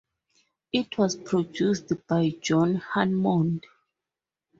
It was produced by John Hammond.